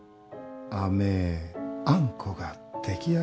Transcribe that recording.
甘えあんこが出来上がる。